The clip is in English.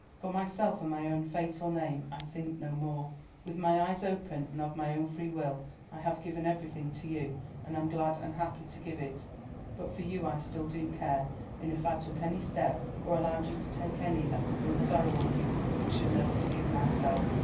For myself and my own fate or name I think no more; with my eyes open and of my own free will I have given everything to you, and am glad and happy to give it. But for you I still do care, and if I took any step, or allowed you to take any that could bring sorrow on you, I should never forgive myself.